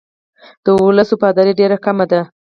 د ولس وفاداري ډېره کمه ده.